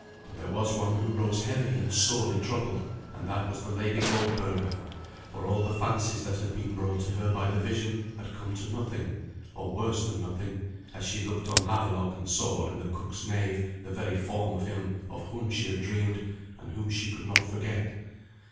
But there was one who rose heavy and sorely troubled, and that was the Lady Goldberga, for all the fancies that had been brought to her by the vision had come to nothing, or worse than nothing, as she looked on Havelok and saw in the cook's knave the very form of him of whom she had dreamed, and whom she could not forget.